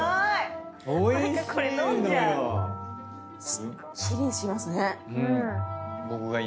すっきりしますね。